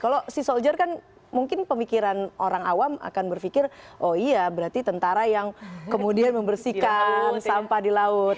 kalau sea soldier kan mungkin pemikiran orang awam akan berpikir oh iya berarti tentara yang kemudian membersihkan sampah di laut